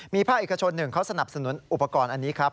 มีภาคเอกชนหนึ่งเขาสนับสนุนอุปกรณ์อันนี้ครับ